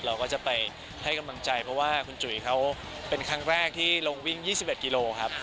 เราก็จะไปให้กำลังใจเพราะว่าคุณจุ๋ยเขาเป็นครั้งแรกที่ลงวิ่ง๒๑กิโลครับ